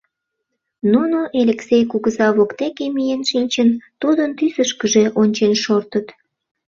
Нуно, Элексей кугыза воктеке миен шинчын, тудын тӱсышкыжӧ ончен шортыт.